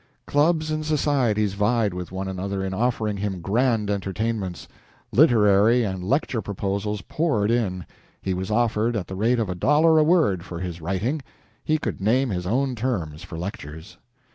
Clubs and societies vied with one another in offering him grand entertainments. Literary and lecture proposals poured in. He was offered at the rate of a dollar a word for his writing he could name his own terms for lectures.